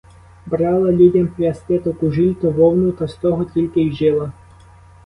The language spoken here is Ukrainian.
Брала людям прясти то кужіль, то вовну, та з того тільки й жила.